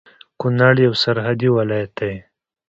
کونړ يو سرحدي ولايت دی